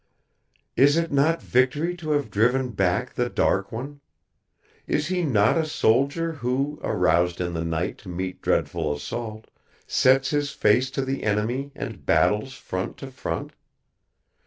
"Is it not victory to have driven back the Dark One? Is he not a soldier who, aroused in the night to meet dreadful assault, sets his face to the enemy and battles front to front?